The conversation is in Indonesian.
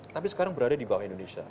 tapi sekarang berada di bawah indonesia